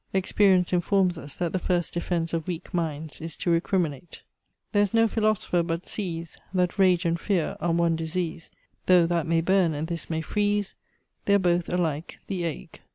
Experience informs us that the first defence of weak minds is to recriminate. There's no philosopher but sees, That rage and fear are one disease; Tho' that may burn, and this may freeze, They're both alike the ague.